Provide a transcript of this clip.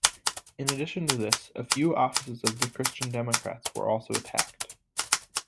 In addition to this, a few offices of the Christian Democrats were also attacekd.